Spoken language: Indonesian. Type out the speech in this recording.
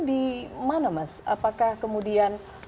di mana mas apakah kemudian